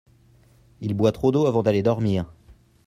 il boit trop d'eau avant d'aller dormir.